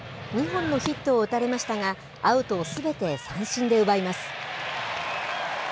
２本のヒットを打たれましたが、アウトをすべて三振で奪います。